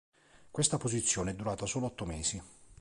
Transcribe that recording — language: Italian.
Questa posizione è durata solo otto mesi.